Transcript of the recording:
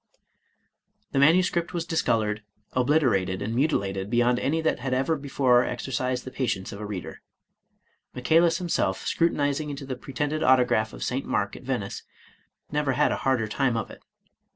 ••.•• The manuscript was discolored, obliterated, and muti lated beyond any that had ever before exercised the patience ■of a reader*. Michaelis himself, scrutinizing into the pre tended autograph of St. Mark at Venice, never had a harder time of it.